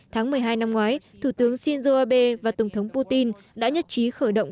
tháng một mươi hai năm ngoái thủ tướng shinzo abe và tổng thống putin đã nhất trí khởi động